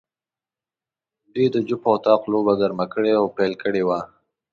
دوی د جفت او طاق لوبه ګرمه کړې او پیل کړې وه.